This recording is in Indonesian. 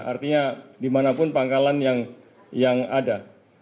artinya dimanapun pangkalan yang ada